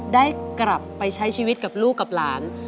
ได้กลับไปใช้ชีวิตกับลูกกับหลาน